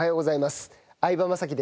相葉雅紀です。